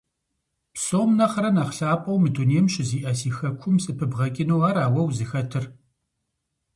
Псом нэхърэ нэхъ лъапӀэу мы дунейм щызиӀэ си хэкум сыпыбгъэкӀыну ара уэ узыхэтыр?